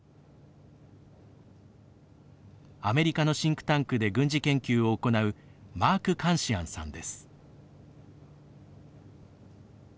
アメリカのシンクタンクで軍事研究を行うマーク・カンシアンさんです。